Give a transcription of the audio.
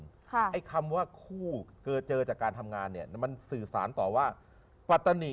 ๓นี่ก็จะฟันทุกข์ให้ใช้ให้ได้